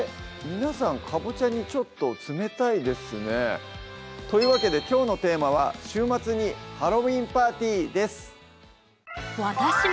皆さんカボチャにちょっと冷たいですねというわけできょうのテーマは「週末にハロウィンパーティー」です